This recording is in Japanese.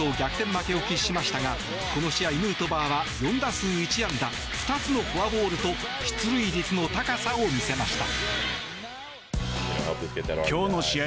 負けを喫しましたがこの試合、ヌートバーは４打数１安打２つのフォアボールと出塁率の高さを見せました。